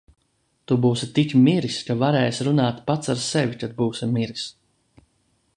Tu būsi tik miris, ka varēsi runāt pats ar sevi, kad būsi miris!